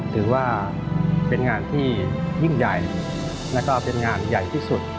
ถือว่าเป็นงานที่ยิ่งใหญ่แล้วก็เป็นงานใหญ่ที่สุด